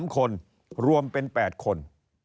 ๓คนรวมเป็น๘คน